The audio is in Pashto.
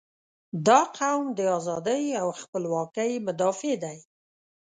• دا قوم د ازادۍ او خپلواکۍ مدافع دی.